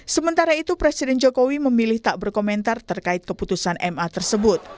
sementara itu presiden jokowi memilih tak berkomentar terkait keputusan ma tersebut